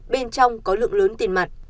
bên trong có lượng lớn tiền mặt